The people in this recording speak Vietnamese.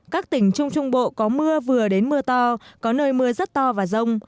các tỉnh trung trung bộ có mưa vừa đến mưa to có nơi mưa rất to và rông